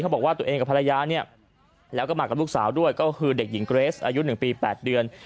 บอกว่าตัวเองกับภรรยาเนี่ยแล้วก็มากับลูกสาวด้วยก็คือเด็กหญิงเกรสอายุ๑ปี๘เดือน